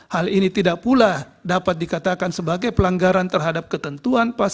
hal ini tidak pula dapat dikatakan sebagai pelanggaran terhadap ketentuan pasal dua ratus delapan puluh tiga